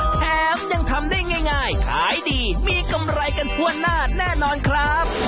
แถมยังทำได้ง่ายขายดีมีกำไรกันทั่วหน้าแน่นอนครับ